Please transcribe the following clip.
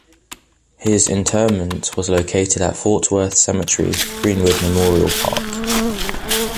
His interment was located at Fort Worth's cemetery Greenwood Memorial Park.